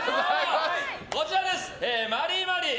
こちら、マリーマリー。